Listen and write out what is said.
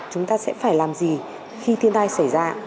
chúng ta sẽ phải làm gì khi thiên tai xảy ra